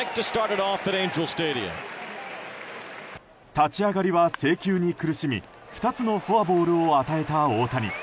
立ち上がりは制球に苦しみ２つのフォアボールを与えた大谷。